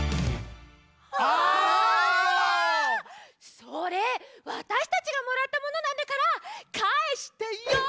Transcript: それわたしたちがもらったものなんだからかえしてヨー！